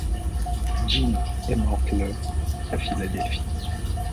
Jean est morte le à Philadelphie.